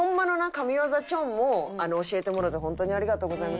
神業チョンも教えてもろて本当にありがとうございます。